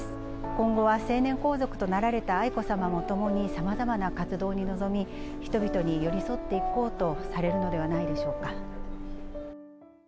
今後は成年皇族となられた愛子さまも共にさまざまな活動に臨み、人々に寄り添っていこうとされるのではないでしょうか。